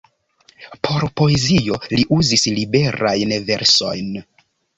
Por poezio li uzis liberajn versojn.